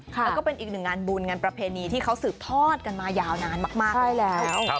แล้วก็เป็นอีกหนึ่งงานบุญงานประเพณีที่เขาสืบทอดกันมายาวนานมากแล้ว